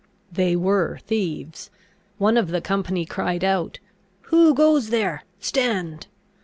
They were thieves. One of the company cried out, "Who goes there? stand!"